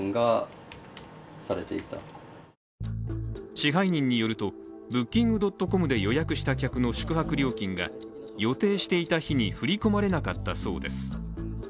支配人によると、Ｂｏｏｋｉｎｇ．ｃｏｍで予約した客の宿泊料金が予定していた日に振り込まれなかったそうです